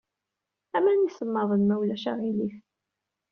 Aman isemmaḍen, ma ulac aɣilif.